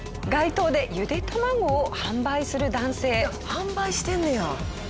販売してんねや。